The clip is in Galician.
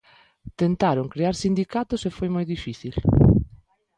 Tentaron crear sindicatos, e foi moi difícil.